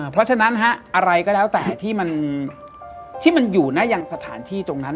เพราะฉะนั้นอะไรก็แล้วแต่ที่มันอยู่นะยังสถานที่ตรงนั้น